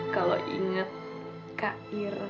kalau inget kak iren